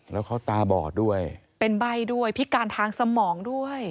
แล้วเขาตาบอดด้วยเป็นใบ้ด้วยพิการทางสมองด้วย